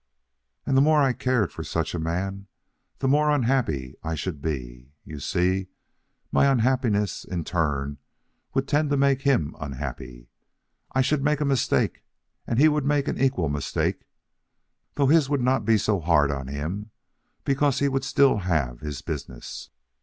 And the more I cared for such a man, the more unhappy I should be. You see, my unhappiness, in turn, would tend to make him unhappy. I should make a mistake, and he would make an equal mistake, though his would not be so hard on him because he would still have his business."